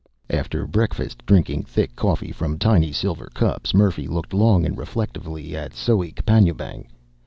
After breakfast, drinking thick coffee from tiny silver cups, Murphy looked long and reflectively at Soek Panjoebang.